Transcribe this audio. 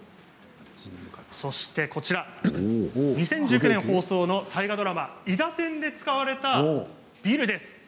そして、こちら２０１９年放送の大河ドラマ「いだてん」で使われたビルです。